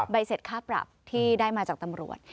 เสร็จค่าปรับที่ได้มาจากตำรวจ